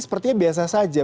sepertinya biasa saja